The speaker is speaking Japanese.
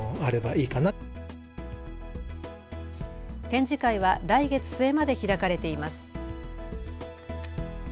展示会は来月末まで開かれています。